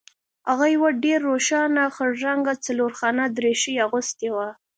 هغه یو ډیر روښانه خړ رنګه څلورخانه دریشي اغوستې وه